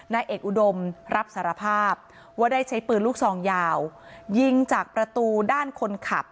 นายเอกอุดมรับสารภาพว่าได้ใช้ปืนลูกซองยาวยิงจากประตูด้านคนขับ